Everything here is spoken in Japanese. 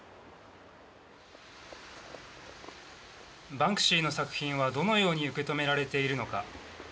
バンクシーの作品はどのように受け止められているのか。